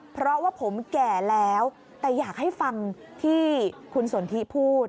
เพราะว่าผมแก่แล้วแต่อยากให้ฟังที่คุณสนทิพูด